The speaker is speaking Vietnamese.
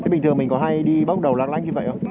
bình thường mình có hay đi bóc đầu lạc lanh như vậy không